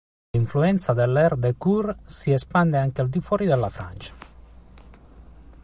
L'influenza dell"'air de cour" si espande anche al di fuori della Francia.